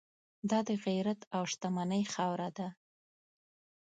دا د غیرت او شتمنۍ خاوره ده.